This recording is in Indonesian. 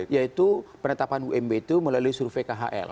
yaitu penetapan umb itu melalui survei khl